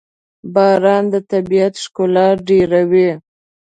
باران د طبیعت ښکلا ډېروي.